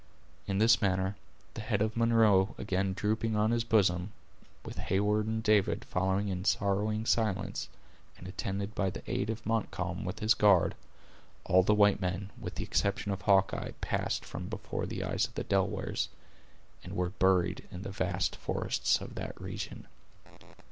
In this manner, the head of Munro again drooping on his bosom, with Heyward and David following in sorrowing silence, and attended by the aide of Montcalm with his guard, all the white men, with the exception of Hawkeye, passed from before the eyes of the Delawares, and were buried in the vast forests of that region.